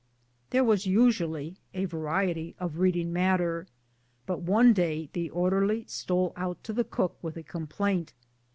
There was usually a variety of reading matter, but one day the orderly stole out to the cook with a com plaint.